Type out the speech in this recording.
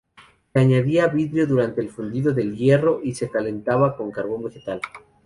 Se añadía vidrio durante el fundido del hierro y se calentaba con carbón vegetal.